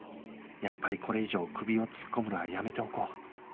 やっぱりこれ以上首を突っ込むのはやめておこう